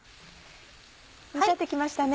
煮立って来ましたね。